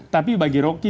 tapi bagi roki